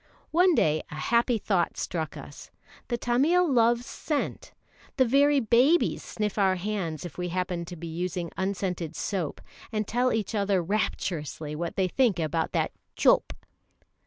One day a happy thought struck us. The Tamil loves scent. The very babies sniff our hands if we happen to be using scented soap, and tell each other rapturously what they think about that "chope."